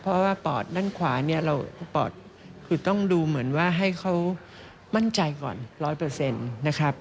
เพราะว่าปอดด้านขวาเนี่ยเราปอดคือต้องดูเหมือนว่าให้เขามั่นใจก่อน๑๐๐นะครับ